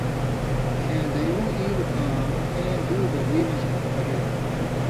کھیں دیُو ایلوۡ آں اَیں دُو بُبوئ مژ پَلِل۔